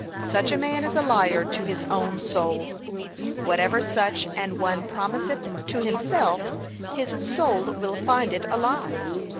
Such a man is a liar to his own soul. Whatever such an one promiseth to himself, his soul will find it a lie.